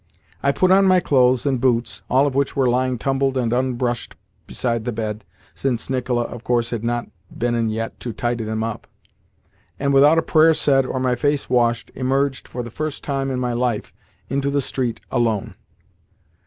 I put on my clothes and boots (all of which were lying tumbled and unbrushed beside the bed, since Nicola, of course had not been in yet to tidy them up), and, without a prayer said or my face washed, emerged, for the first time in my life, into the street ALONE.